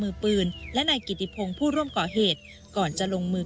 มือปืนและนายกิโดยล่วงให้ก่อนจะลงมือ